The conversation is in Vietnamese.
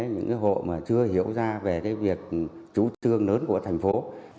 những hộ mà chưa hiểu ra về việc trú trương lớn của thành phố